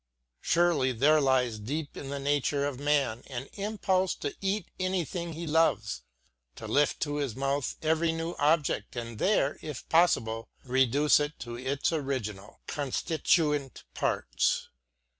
Surely there lies deep in the nature of man an impulse to eat anything he loves, to lift to his mouth every new object and there, if possible, reduce it to its original, constituent parts.